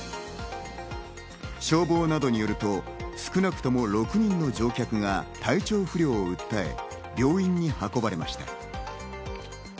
消防などによると、少なくとも６人の乗客が体調不良を訴え、病院に運ばれました。